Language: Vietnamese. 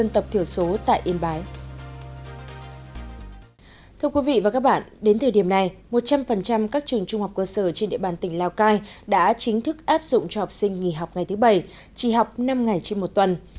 thưa quý vị và các bạn đến thời điểm này một trăm linh các trường trung học cơ sở trên địa bàn tỉnh lào cai đã chính thức áp dụng cho học sinh nghỉ học ngày thứ bảy chỉ học năm ngày trên một tuần